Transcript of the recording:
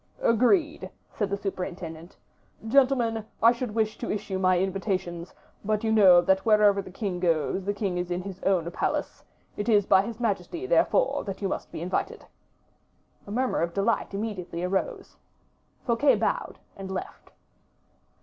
"Agreed," said the superintendent. "Gentlemen, I should wish to issue my invitations; but you know that wherever the king goes, the king is in his own palace; it is by his majesty, therefore, that you must be invited." A murmur of delight immediately arose. Fouquet bowed and left.